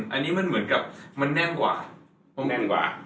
อันนี้มันเหมือนกับมันแน่นกว่าต้องแน่นกว่า